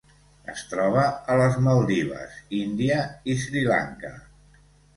Es troba a les Maldives, Índia i Sri Lanka.